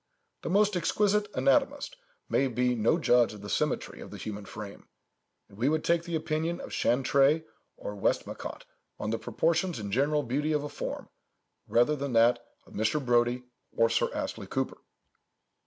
The most exquisite anatomist may be no judge of the symmetry of the human frame: and we would take the opinion of Chantrey or Westmacott on the proportions and general beauty of a form, rather than that of Mr. Brodie or Sir Astley Cooper.